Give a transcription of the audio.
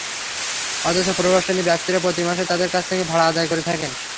অথচ প্রভাবশালী ব্যক্তিরা প্রতি মাসে তাঁদের কাছ থেকে ভাড়া আদায় করে থাকেন।